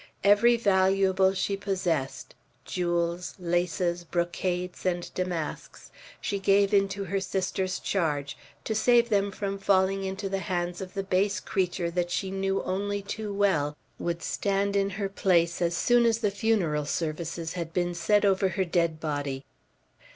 Every valuable she possessed, jewels, laces, brocades, and damasks, she gave into her sister's charge, to save them from falling into the hands of the base creature that she knew only too well would stand in her place as soon as the funeral services had been said over her dead body.